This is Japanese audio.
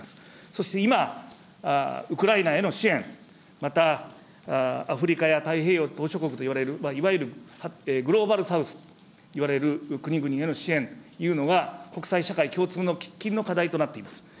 そして今、ウクライナへの支援、また、アフリカや、太平洋島しょ国といわれるいわゆるグローバル・サウスといわれる国々への支援というのが、国際社会共通の喫緊の課題となっています。